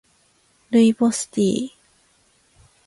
ルイボスティー